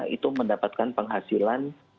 itu mendapatkan penghasilan